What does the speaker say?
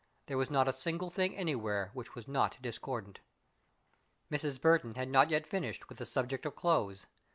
There was not a single thing anywhere which was not discordant. Mrs. Burton had not yet finished with the subject of clothes.